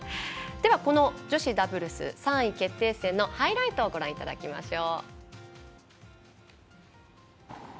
この女子ダブルス３位決定戦のハイライトをご覧いただきましょう。